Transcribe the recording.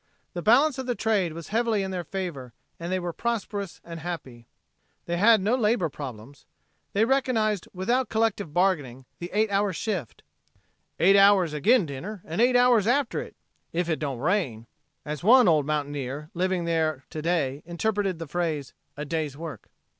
The balance of the trade was heavily in their favor and they were prosperous and happy. They had no labor problems. They recognized without collective bargaining the eight hour shift "eight hours agin dinner and eight hours after hit; ef hit don't rain;" as one old mountaineer, living there to day, interpreted the phrase, "A day's work."